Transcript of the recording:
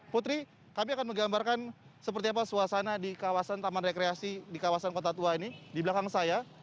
putri kami akan menggambarkan seperti apa suasana di kawasan taman rekreasi di kawasan kota tua ini di belakang saya